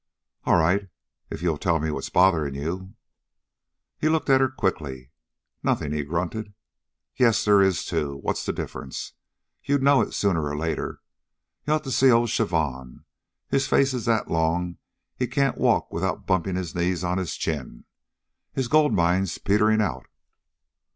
"All right, if you'll tell me what's bothering you." He looked at her quickly. "Nothin'," he grunted. "Yes, there is, too. What's the difference? You'd know it sooner or later. You ought to see old Chavon. His face is that long he can't walk without bumpin' his knee on his chin. His gold mine's peterin' out."